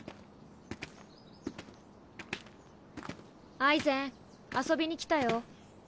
アイゼン遊びに来たよ。